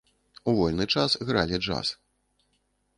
У вольны час гралі джаз.